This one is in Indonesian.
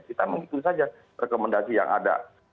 kita menghitung saja rekomendasi yang ada